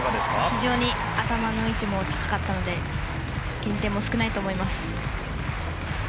非常に頭の位置も高かったので減点も少ないと思います。